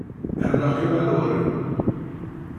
Ḥemmleɣ-kem a Laurie.